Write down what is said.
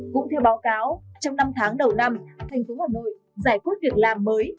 cũng theo báo cáo trong năm tháng đầu năm thành phố hà nội giải quyết việc làm mới